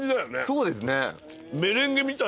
そうですね。